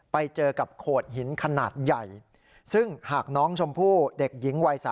ไปเจอกับโขดหินขนาดใหญ่